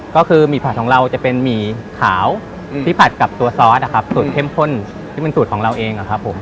ก็คือหมี่ผัดของเราจะเป็นหมี่ขาวที่ผัดกับตัวซอสนะครับสูตรเข้มข้นที่เป็นสูตรของเราเองอะครับผม